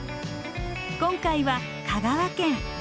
今回は香川県。